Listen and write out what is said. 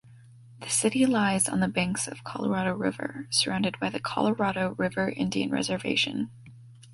The city lies on the banks of Colorado River, surrounded by the Colorado River Indian Reservation.